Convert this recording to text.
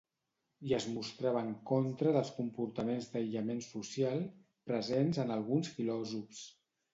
I es mostrava en contra dels comportaments d'aïllament social, presents en alguns filòsofs.